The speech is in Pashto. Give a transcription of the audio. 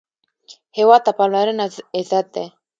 هېواد ته پاملرنه عزت دی